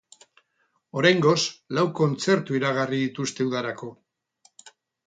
Oraingoz, lau kontzertu iragarri dituzte udarako.